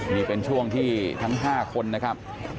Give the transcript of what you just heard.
นี่เป็นช่วงที่ทั้ง๕คนนะครับ